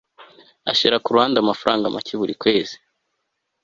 ashira ku ruhande amafaranga make buri kwezi